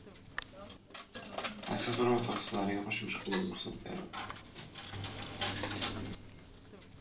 Magistratura mutaxassisliklariga qo‘shimcha qabulga ruxsat berildi